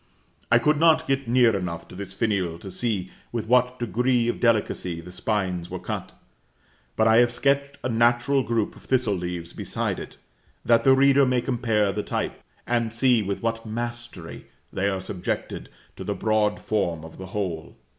I could not get near enough to this finial to see with what degree of delicacy the spines were cut; but I have sketched a natural group of thistle leaves beside it, that the reader may compare the types, and see with what mastery they are subjected to the broad form of the whole.